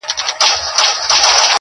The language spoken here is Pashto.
o چي موږ غله سوو، بيا سپوږمۍ راوخته.